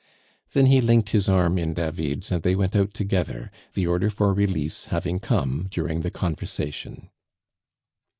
Then he linked his arm in David's, and they went out together, the order for release having come during the conversation.